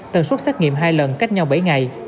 tần suất xét nghiệm hai lần cách nhau bảy ngày